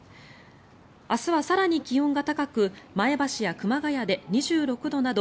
明日は更に気温が高く前橋や熊谷で２６度など